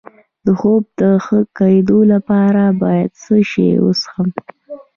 د خوب د ښه کیدو لپاره باید څه شی وڅښم؟